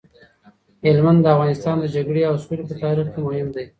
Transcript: هلمند د افغانستان د جګړې او سولې په تاریخ کي مهم دی.